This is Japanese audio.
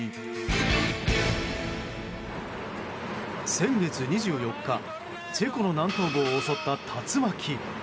先月２４日チェコの南東部を襲った竜巻。